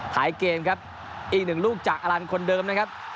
ท้ายเกมครับอีกหนึ่งลูกจากอลันคนเดิมนะครับ